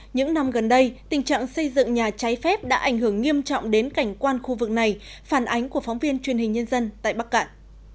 những năm gần đây tình trạng xây dựng nhà cháy phép đã ảnh hưởng nghiêm trọng đến cảnh quan khu vực này phản ánh của phóng viên truyền hình nhân dân tại bắc cạn